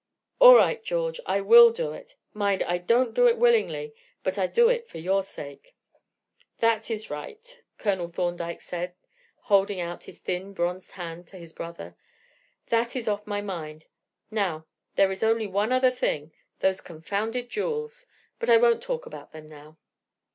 "All right, George, I will do it. Mind, I don't do it willingly, but I do it for your sake." "That is right," Colonel Thorndyke said, holding out his thin bronzed hand to his brother; "that is off my mind. Now, there is only one other thing those confounded jewels. But I won't talk about them now."